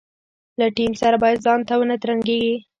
له ټیم سره باید ځانته ونه ترنګېږي.